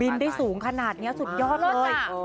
ได้สูงขนาดนี้สุดยอดเลย